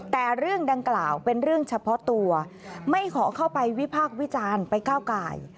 แต่เรื่องดังกล่าวเป็นเรื่องเฉพาะตัวไม่ขอเข้าไปวิพากษ์วิจารณ์ไปก้าวไก่